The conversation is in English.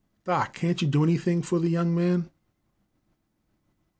Doc., can't you do anything for the young man?'